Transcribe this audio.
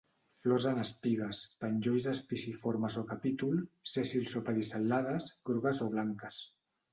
Flors en espigues, penjolls espiciformes o capítol, sèssils o pedicel·lades, grogues o blanques.